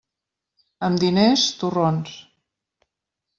Amb diners, torrons.